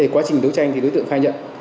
quá trình đấu tranh thì đối tượng khai nhận